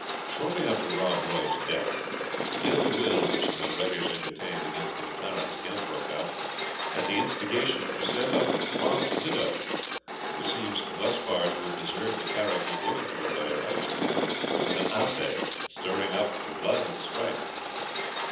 Shortly after Rob Roy's death, the ill will which the MacGregors entertained against the MacLarens again broke out, at the instigation, it was said, of Rob's widow, who seems thus far to have deserved the character given to her by her husband, as an Ate' stirring up to blood and strife.